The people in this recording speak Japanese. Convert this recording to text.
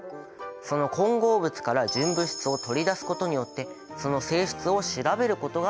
その混合物から純物質を取り出すことによってその性質を調べることができる。